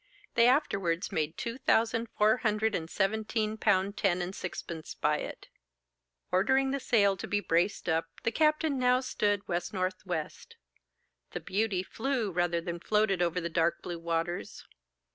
They afterwards made two thousand four hundred and seventeen pound ten and sixpence by it. Ordering the sail to be braced up, the captain now stood W.N.W. 'The Beauty' flew rather than floated over the dark blue waters.